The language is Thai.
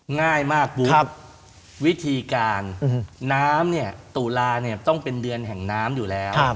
ง่ายมากวิธีการน้ำตุลาต้องเป็นเดือนแห่งน้ำอยู่แล้ว